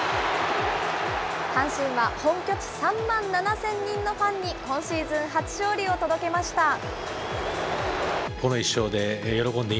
阪神は本拠地３万７０００人のファンに、今シーズン初勝利を届けました。